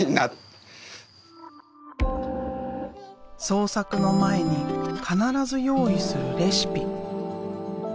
創作の前に必ず用意するレシピ。